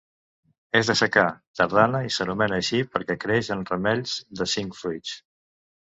És de secà, tardana i s'anomena així perquè creix en ramells de cinc fruits.